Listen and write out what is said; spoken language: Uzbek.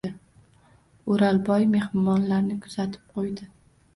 O’rolboy mehmonlarni kuzatib qo‘ydi.